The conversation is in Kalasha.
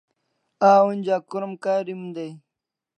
A onja krom karim day